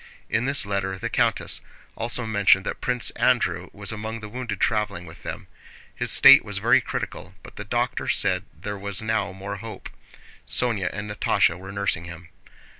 In this letter the countess also mentioned that Prince Andrew was among the wounded traveling with them; his state was very critical, but the doctor said there was now more hope. Sónya and Natásha were nursing him.